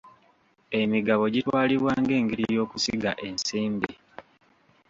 Emigabo gitwalibwa ng'engeri y'okusiga ensimbi.